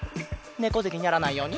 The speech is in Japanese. ねこぜにならないように！